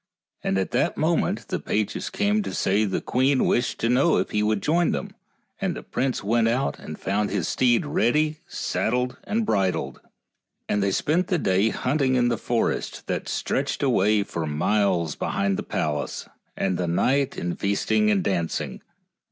And at that moment the pages came to say the queen wished to know if he would join them, and the prince went out and found his steed ready saddled and bridled, and they spent the day hunting in the forest that stretched away for miles behind the palace, and the night in feasting and dancing.